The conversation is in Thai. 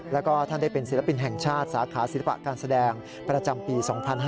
แล้วก็ท่านได้เป็นศิลปินแห่งชาติสาขาศิลปะการแสดงประจำปี๒๕๕๙